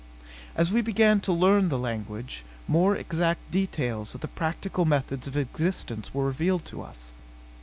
As we began to learn the language, more exact details of the practical methods of existence were revealed to us.